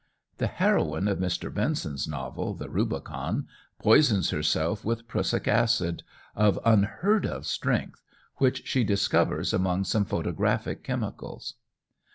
The heroine of Mr. Benson's novel, "The Rubicon," poisons herself with prussic acid of unheard of strength, which she discovers among some photographic chemicals.